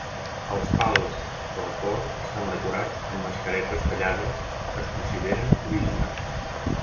Els pals del cor estan decorats amb mascares tallades que es consideren originals.